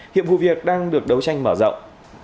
hiệp vụ việc đang được đấu tranh mở rộng